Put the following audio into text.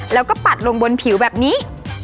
แล้วก็ปัดลงบนผิวแบบนี้